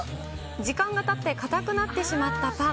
時間がたって硬くなってしまったパン。